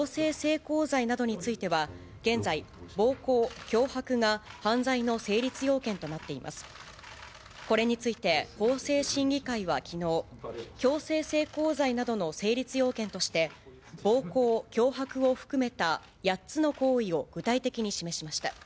これについて、法制審議会はきのう、強制性交罪などの成立要件として、暴行・脅迫を含めた８つの行為を具体的に示しました。